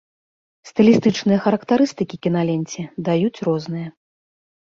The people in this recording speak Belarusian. Стылістычныя характарыстыкі кіналенце даюць розныя.